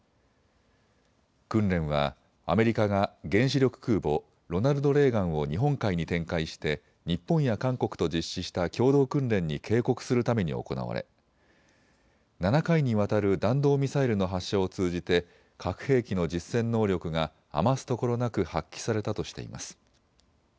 訓練はアメリカが原子力空母、ロナルド・レーガンを日本海に展開して日本や韓国と実施した共同訓練に警告するために行われ、７回にわたる弾道ミサイルの発射を通じて核兵器の実戦能力が余すところなく発揮されたとしています。